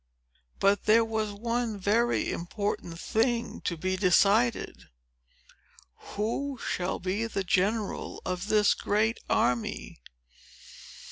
But there was one very important thing to be decided. Who shall be the General of this great army?